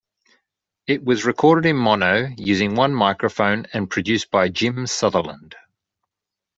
It was recorded in mono using one microphone and produced by Jim Sutherland.